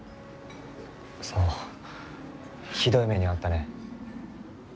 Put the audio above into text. そうひどい目に遭ったね。